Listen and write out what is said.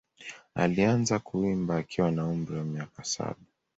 Alianza kuimba akiwa na umri wa miaka saba.